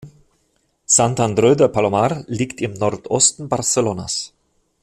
Sant Andreu de Palomar liegt im Nordosten Barcelonas.